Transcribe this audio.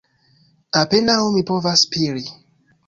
"Apenaŭ mi povas spiri.